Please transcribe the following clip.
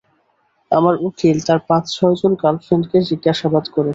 আমার উকিল তার পাঁচ-ছয়জন গার্লফ্রেন্ডকে জিজ্ঞাসাবাদ করেছে।